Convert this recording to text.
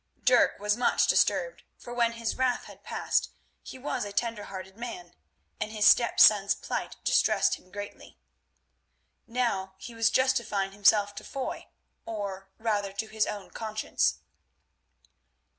Dirk was much disturbed, for when his wrath had passed he was a tender hearted man, and his stepson's plight distressed him greatly. Now he was justifying himself to Foy, or, rather, to his own conscience.